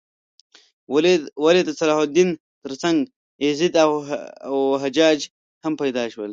ولې د صلاح الدین تر څنګ یزید او حجاج هم پیدا شول؟